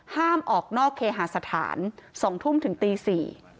ห้ามออกนอกเคหาสถาน๒ทุ่มถึงตี๔